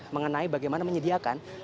mengenai bagaimana menyediakan